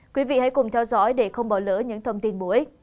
quý vị hãy cùng theo dõi để không bỏ lỡ những thông tin bối